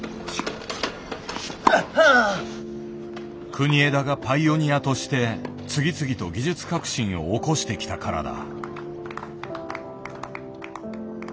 国枝がパイオニアとして次々と技術革新を起こしてきたからだ。